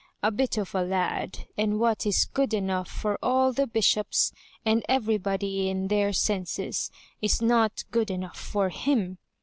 A bit of a lad ; and what is good enough for all the bishops, and every body in their senses, is not good enough for him